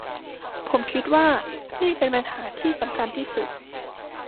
ผมคิดว่านี่เป็นปัญหาที่สำคัญที่สุด